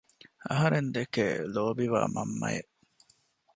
އަހަރެން ދެކެ ލޯބިވާ މަންމައެއް